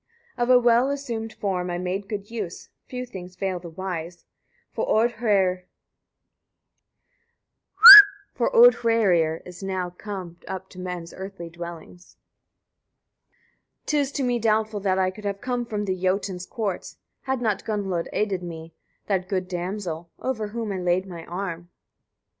108. Of a well assumed form I made good use: few things fail the wise; for Odhrærir is now come up to men's earthly dwellings. 109. 'Tis to me doubtful that I could have come from the Jotun's courts, had not Gunnlod aided me, that good damsel, over whom I laid my arm.